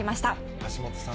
橋本さん